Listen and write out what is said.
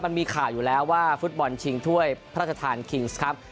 มันมีข่าวอยู่แล้วว่าฟุตบอลชิงถ้วยพระราชทานคิงส์ครับ